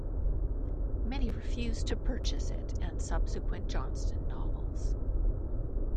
Many refused to purchase it and subsequent Johnston novels.